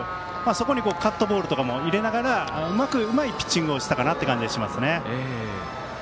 そこにかカットボールとかも入れながらうまいピッチングをしたかなと思いますね。